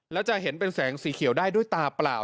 แล้วจะเห็นเป็นแสงสีเขียวได้ด้วยตาเปล่า